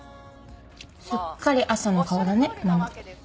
すっかり朝の顔だねママ。